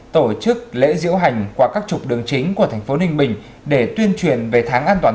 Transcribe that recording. tổ chức lễ diễu hành qua các trục đường chính của thành phố ninh bình để tuyên truyền về tháng an toàn